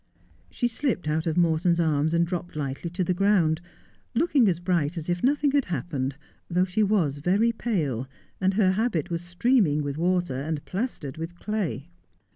She slipped out of Morton's arms, and dropped lightly to the ground, looking as bright as if nothing had happened, though she was very pale, and her habit was streaming with water, and plastered with clay.